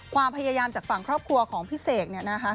ความยังเงินจากฝั่งครอบครัวของพี่เสกนะฮะ